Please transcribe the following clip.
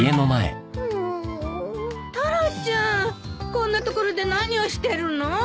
こんなところで何をしてるの？